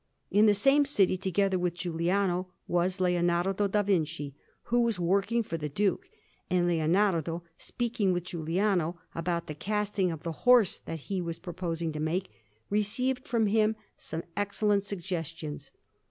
In the same city, together with Giuliano, was Leonardo da Vinci, who was working for the Duke; and Leonardo, speaking with Giuliano about the casting of the horse that he was proposing to make, received from him some excellent suggestions.